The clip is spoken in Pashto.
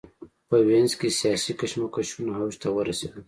په وینز کې سیاسي کشمکشونه اوج ته ورسېدل.